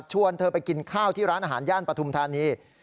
เธอไปกินข้าวที่ร้านอาหารย่านปฐุมธานี